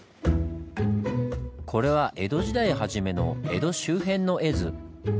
これは江戸時代初めの江戸周辺の絵図。